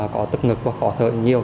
có tức ngực và khó thở nhiều